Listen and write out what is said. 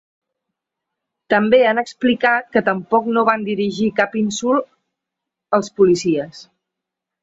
També han explicat que tampoc no van dirigir cap insult als policies.